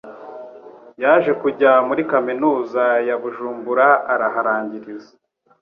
Yaje kujya muri Kaminuza ya Bujumbura araharangiriza